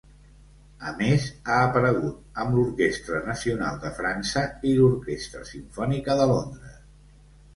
A més, ha aparegut amb l'Orquestra Nacional de França i l'Orquestra Simfònica de Londres.